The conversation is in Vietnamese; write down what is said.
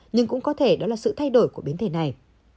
nhưng cũng có thể đó là sự thay đổi của biến thể này